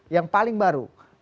yang paling baru